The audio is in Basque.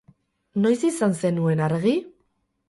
Noiz izan zenuen argi?